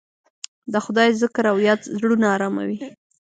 د خدای ذکر او یاد زړونه اراموي.